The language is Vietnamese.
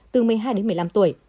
từ một mươi hai đến một mươi năm tuổi